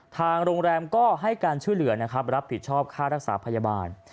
ทางโรงแรมก็ให้การช่วยเหลือนะครับรับผิดชอบค่ารักษาพยาบาล